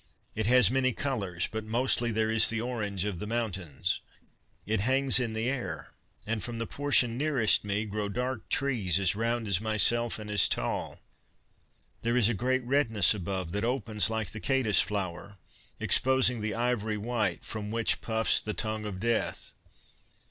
It has many colors, but mostly there is the orange of the mountains. It hangs in the air, and from the portion nearest me grow dark trees as round as myself and as tall. There is a great redness above, that opens like the Katus flower, exposing the ivory white from which puffs the Tongue of Death.